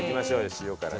塩からね。